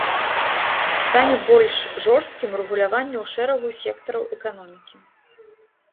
Стане больш жорсткім рэгуляванне ў шэрагу сектараў эканомікі.